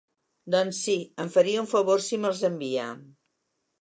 Doncs si, em faria un favor si mels envia.